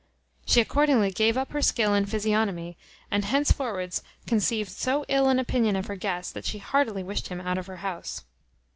She accordingly gave up her skill in physiognomy, and hence forwards conceived so ill an opinion of her guest, that she heartily wished him out of her house.